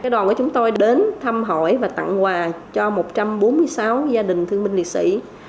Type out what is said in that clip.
đoàn của chúng tôi đến thăm hỏi và tặng quà cho một trăm bốn mươi sáu gia đình thương minh liệt sĩ